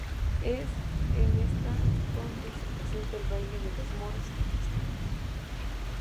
Es en esta donde se presenta el baile de los Moros y Cristianos.